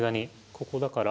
ここだから？